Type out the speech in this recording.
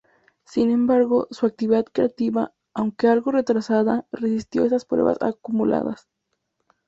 Sin embargo, su actividad creativa, aunque algo retrasada, resistió estas pruebas acumuladas.